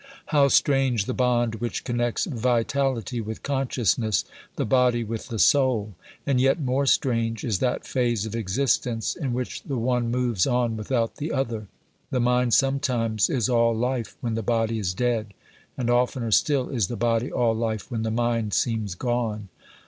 How strange the bond which connects vitality with consciousness the body with the soul! And yet more strange is that phase of existence in which the one moves on without the other. The mind sometimes is all life when the body is dead, and oftener still is the body all life when the mind seems gone.